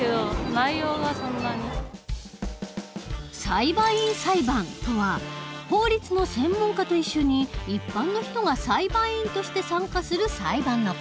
中高生のみんな裁判員裁判とは法律の専門家と一緒に一般の人が裁判員として参加する裁判の事。